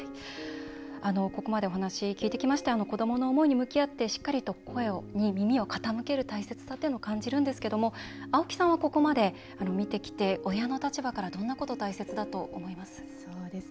ここまでお話を聞いてきまして子どもの声に向き合ってしっかりと声に耳を傾ける大切さを感じるんですけども青木さんはここまで見てきて親の立場からどんなこと大切だと思います？